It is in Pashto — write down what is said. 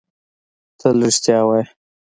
تل رېښتيا وايه